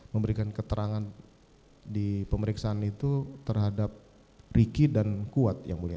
memberikan keterangan di pemeriksaan itu terhadap ricky dan kuat yang mulia